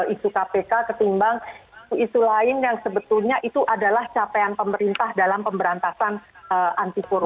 isu kpk ketimbang isu lain yang sebetulnya itu adalah capaian pemerintah dalam pemberantasan anti korupsi